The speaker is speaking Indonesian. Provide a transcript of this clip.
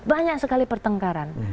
banyak sekali pertengkaran